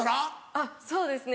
あっそうですね。